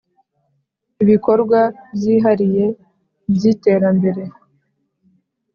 ibikorwa byihariye by iterambere